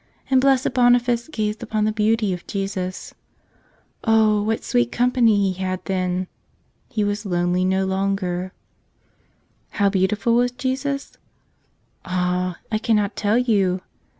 And Blessed Boniface gazed upon the beauty of Jesus. Oh, what sweet company he had then! He was lonely no longer. 140 The Christ Child How beautiful was Jesus? Ah, I cannot tell you!